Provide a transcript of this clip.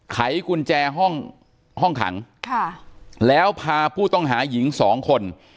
ไขกุญแจห้องห้องขังค่ะแล้วพาผู้ต้องหาหญิงสองคน